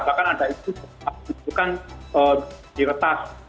bahkan ada itu yang ditunjukkan di retas